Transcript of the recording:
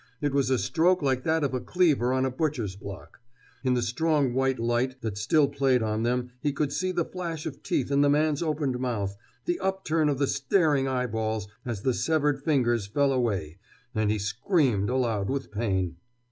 It was a stroke like that of a cleaver on a butcher's block. In the strong white light that still played on them he could see the flash of teeth in the man's opened mouth, the upturn of the staring eye balls as the severed fingers fell away and he screamed aloud with pain.